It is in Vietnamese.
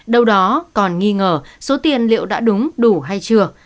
đâu đó còn nghi ngờ số tiền liệu đã đúng đủ hay chưa